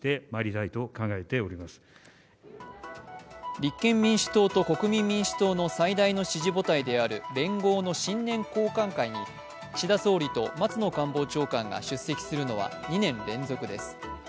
立憲民主党と国民民主党の最大の支持母体である連合の新年交歓会に岸田総理と松野官房長官が出席するのは２年連続です。